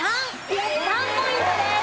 ３ポイントです。